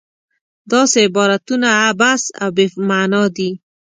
داسې عبارتونه عبث او بې معنا دي.